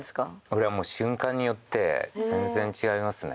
俺はもう瞬間によって全然違いますね。